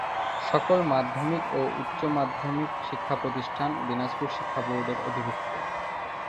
সকল মাধ্যমিক ও উচ্চ মাধ্যমিক শিক্ষা প্রতিষ্ঠান দিনাজপুর শিক্ষা বোর্ডের অধিভুক্ত।